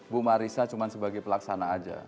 bu marisa cuma sebagai pelaksana aja